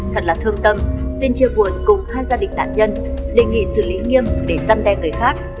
thật là thương tâm xin chia buồn cùng hai gia đình nạn nhân đề nghị xử lý nghiêm để giăn đe người khác